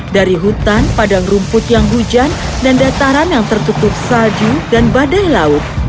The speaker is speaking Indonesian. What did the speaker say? dari hutan padang rumput yang hujan dan dataran yang tertutup salju dan badai laut